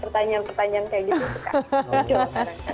pertanyaan pertanyaan kayak gitu juga